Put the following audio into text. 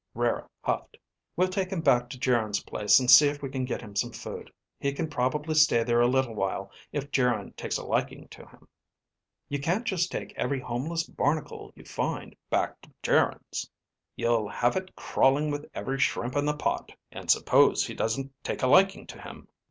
Rara huffed. "We'll take him back to Geryn's place and see if we can get him some food. He can probably stay there a little while if Geryn takes a liking to him." "You can't just take every homeless barnacle you find back to Geryn's. You'll have it crawling with every shrimp in the Pot. And suppose he doesn't take a liking to him.